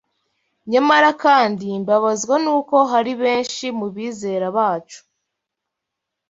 Nyamara kandi mbabazwa n’uko hari benshi mu bizera bacu